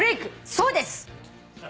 そうです！